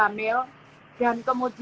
jangan berkata bahwa kita tidak berkata